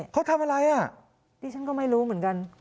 เขาทำอะไรอ่ะดิฉันก็ไม่รู้เหมือนกัน